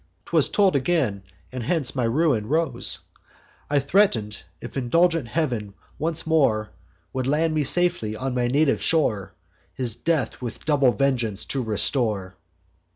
'Twas told again; and hence my ruin rose. I threaten'd, if indulgent Heav'n once more Would land me safely on my native shore, His death with double vengeance to restore.